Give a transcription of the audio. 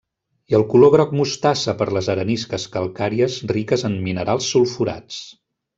I el color groc mostassa per les arenisques calcàries riques en minerals sulfurats.